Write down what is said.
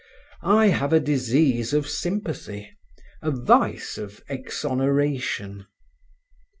I have a disease of sympathy, a vice of exoneration."